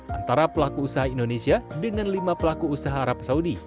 antara pelaku usaha indonesia dengan lima pelaku usaha arab saudi